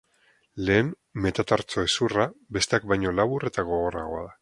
Lehen metatartso-hezurra, besteak baino labur eta gogorragoa da.